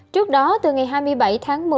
trước đó từ ngày hai mươi bảy tháng một mươi